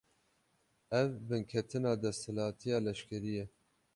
Ev, binketina desthilatiya leşkerî ye